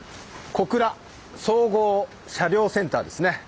小倉総合車両センターですね。